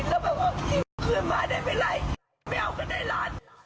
แล้วแบบว่าคืนมาได้ไม่ไรไม่เอากันได้ล่ะ